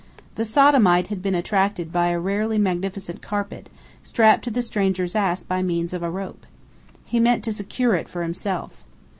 The Sodomite had been attracted by a rarely magnificent carpet, strapped to the stranger's ass by means of a rope. He meant to secure it for himself.